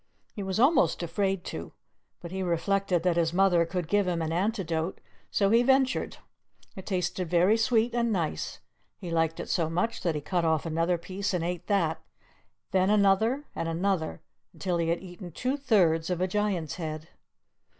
He was almost afraid to, but he reflected that his mother could give him an antidote; so he ventured. It tasted very sweet and nice; he liked it so much that he cut off another piece and ate that, then another and another, until he had eaten two thirds of a Giant's head.